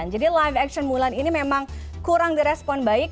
jadi live action mulan ini memang kurang di respon baik